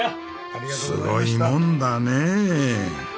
すごいもんだねえ。